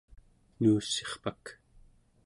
nuussirpak